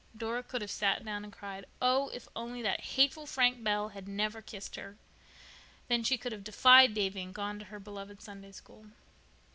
Dora could have sat down and cried. Oh, if only that hateful Frank Bell had never kissed her! Then she could have defied Davy, and gone to her beloved Sunday School.